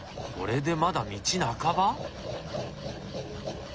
これでまだ道半ば？